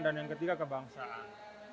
dan yang ketiga kebangsaan